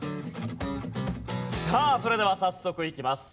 さあそれでは早速いきます。